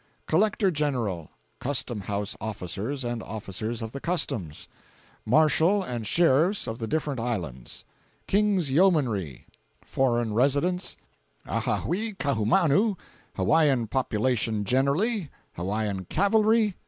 Collector General, Custom house Officers and Officers of the Customs. Marshal and Sheriffs of the different Islands. King's Yeomanry. Foreign Residents. Ahahui Kaahumanu. Hawaiian Population Generally. Hawaiian Cavalry.